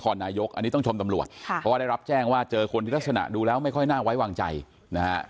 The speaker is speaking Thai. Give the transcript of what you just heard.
นครนายกอันนี้ต้องชมตำรวจเพราะว่าได้รับแจ้งว่าเจอคนทิศนาดูแล้วไม่ค่อยน่าไว้วางใจนะครับ